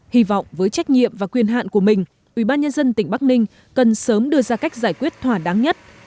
hy vọng với trách nhiệm và quyền hạn của mình ubnd tỉnh bắc ninh cần sớm đưa ra cách giải quyết thỏa đáng nhất